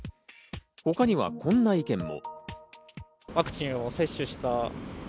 他にはこんな意見も。